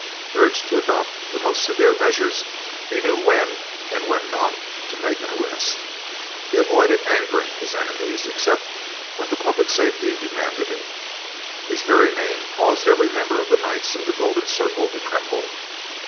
Urged to adopt the most severe measures, he knew when, and when not, to make an arrest. He avoided angering his enemies except when the public safety demanded it. His very name caused every member of the Knights of the Golden Circle to tremble.